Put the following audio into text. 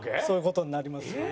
そういう事になります。